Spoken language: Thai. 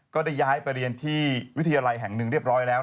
ก็ได้ย้ายไปเรียนที่วิทยาลัยแห่งหนึ่งเรียบร้อยแล้ว